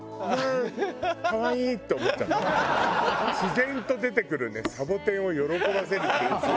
自然と出てくる「サボテンを喜ばせる」っていうフレーズ。